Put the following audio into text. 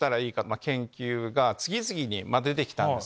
研究が次々に出てきたんですが。